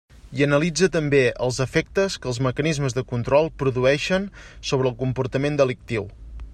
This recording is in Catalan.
I analitza també els efectes que els mecanismes de control produïxen sobre el comportament delictiu.